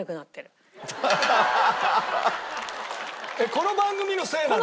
この番組のせいなんだ？